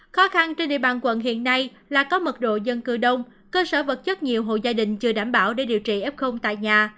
khó khăn trên địa bàn quận hiện nay là có mật độ dân cư đông cơ sở vật chất nhiều hộ gia đình chưa đảm bảo để điều trị f tại nhà